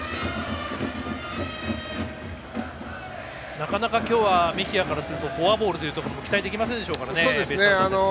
なかなか今日はメヒアからするとフォアボールというところも期待できないでしょうからね。